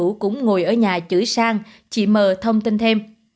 hữu cũng ngồi ở nhà chửi sang chị mờ thông tin thêm